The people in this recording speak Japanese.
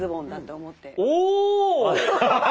おお！